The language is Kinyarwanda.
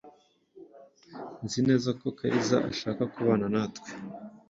Nzi neza ko Kaliza ashaka kubana natwe.